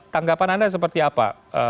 tanggapan anda seperti apa